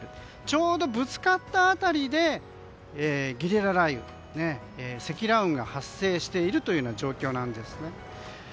ちょうどぶつかった辺りでゲリラ雷雨積乱雲が発生しているというような状況なんですね。